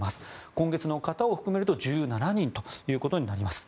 今月の方を含めると１７人になります。